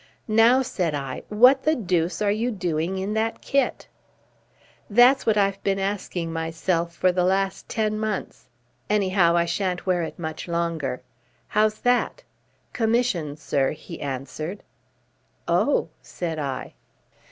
"Now," said I, "what the deuce are you doing in that kit?" "That's what I've been asking myself for the last ten months. Anyhow I shan't wear it much longer." "How's that?" "Commission, sir," he answered. "Oh!" said I.